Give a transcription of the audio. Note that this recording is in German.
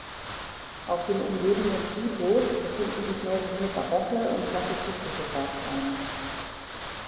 Auf dem umgebenden Friedhof befinden sich mehrere barocke und klassizistische Grabsteine.